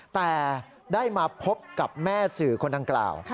แต่ได้มาพบกับแม่สื่อคนดังกล่าว